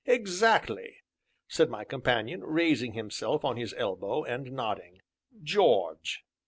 "Exactly!" said my companion, raising himself on his elbow, and nodding: "George."